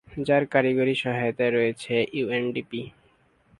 যার কারিগরি সহায়তায় রয়েছে ইউএনডিপি।